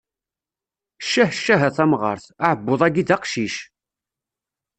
Ccah ccah a tamɣart, aɛebbuḍ-agi d aqcic.